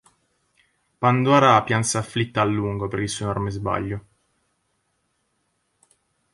Pandora pianse afflitta a lungo per il suo enorme sbaglio...